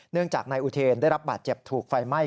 จากนายอุเทนได้รับบาดเจ็บถูกไฟไหม้